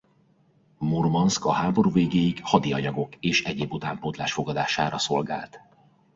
Murmanszk a háború végéig hadianyagok és egyéb utánpótlás fogadására szolgált.